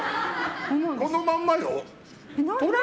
このまんまよ。